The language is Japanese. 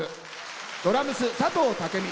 ドラムス、佐藤武美。